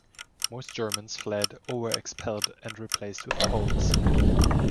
Most Germans fled or were expelled and replaced with Poles.